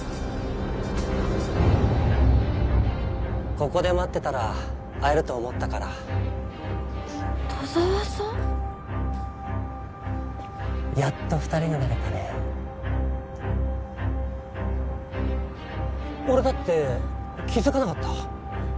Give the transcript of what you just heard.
ここで待ってたら会えると思ったから田沢さん？やっと二人になれたね俺だって気づかなかった？